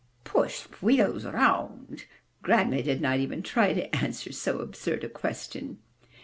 "Push wheels around!" Grandma did not even try to answer so absurd a question.